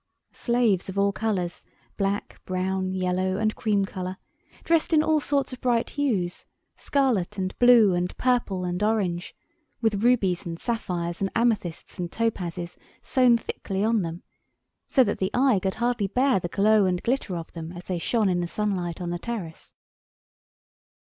Slaves of all colours—black, brown, yellow, and cream colour, dressed in all sorts of bright hues, scarlet and blue and purple and orange, with rubies and sapphires and amethysts and topazes sewn thickly on them, so that the eye could hardly bear the glow and glitter of them as they shone in the sunlight on the terrace.